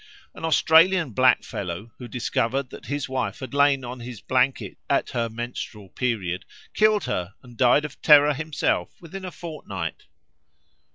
An Australian blackfellow, who discovered that his wife had lain on his blanket at her menstrual period, killed her and died of terror himself within a fortnight.